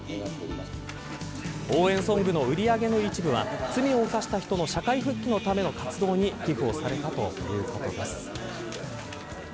応援ソングの売り上げの一部は罪を犯した人の社会復帰のための活動に寄付をされたということです。